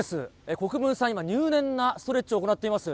国分さん、今、入念なストレッチを行っています。